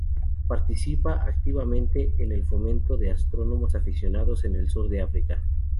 Participa activamente en el fomento de astrónomos aficionados en el sur de África.